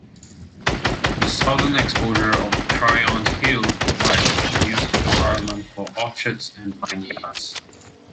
The southern exposure of Tryon's hills provides a conducive environment for orchards and vineyards.